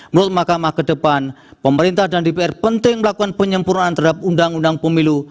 menurut mahkamah ke depan pemerintah dan dpr penting melakukan penyempurnaan terhadap undang undang pemilu